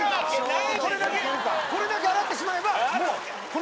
これだけ払ってしまえば。